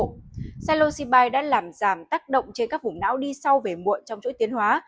psilocybe đã làm giảm tác động trên các vùng não đi sâu về muộn trong chỗ tiến hóa